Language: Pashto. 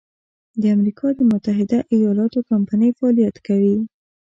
د امریکا د متحد ایلااتو کمپنۍ فعالیت کوي.